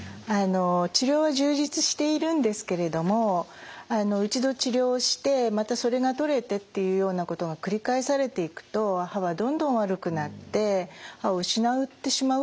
治療は充実しているんですけれども一度治療をしてまたそれが取れてっていうようなことが繰り返されていくと歯はどんどん悪くなって歯を失ってしまうっていうこともあります。